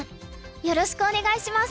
よろしくお願いします！